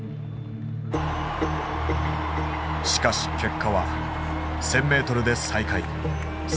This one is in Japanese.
しかし結果は１，０００ｍで最下位。